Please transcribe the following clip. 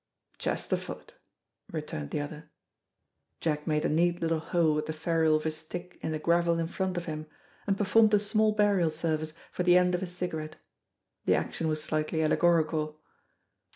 "Chesterford," returned the other. Jack made a neat little hole with the ferrule of his stick in the gravel in front of him, and performed a small burial service for the end of his cigarette. The action was slightly allegorical.